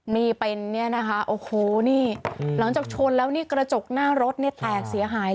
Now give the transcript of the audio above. นี่เป็นเนี่ยนะคะโอ้โหนี่หลังจากชนแล้วนี่กระจกหน้ารถเนี่ยแตกเสียหาย